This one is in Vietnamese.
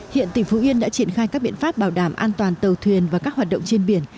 hiện tỉnh phú yên đã triển khai các biện pháp bảo đảm an toàn tàu thuyền và các hoạt động trên biển